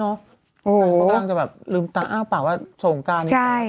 กำลังจะแบบลืมตาอ้าวป่ะว่าสงกรานี้